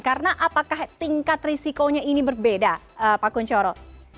karena apakah tingkat risikonya ini berbeda pak kunchoro